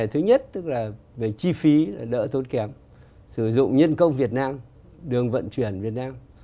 thứ nhất tức là về chi phí đỡ tốn kém sử dụng nhân công việt nam đường vận chuyển việt nam